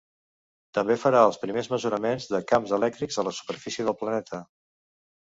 També farà els primers mesuraments de camps elèctrics a la superfície del planeta.